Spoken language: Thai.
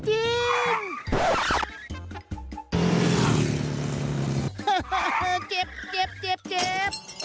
เจ็บ